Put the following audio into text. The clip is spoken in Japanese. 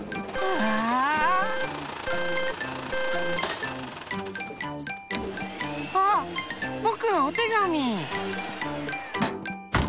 わあぼくのおてがみ！